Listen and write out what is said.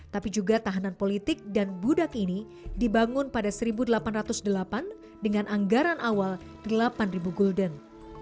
tapi juga tahanan politik dan budak ini dibangun pada seribu delapan ratus delapan dengan anggaran awal delapan ribu gulden